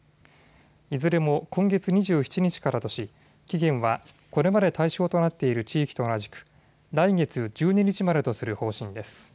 いずれも今月２７日からとし期限はこれまで対象となっている地域と同じく来月１２日までとする方針です。